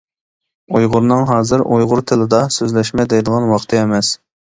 ئۇيغۇرنىڭ ھازىر ئۇيغۇر تىلىدا سۆزلەشمە دەيدىغان ۋاقتى ئەمەس.